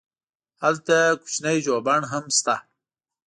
هلته کوچنی ژوبڼ هم شته.